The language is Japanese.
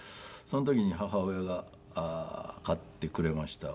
その時に母親が買ってくれました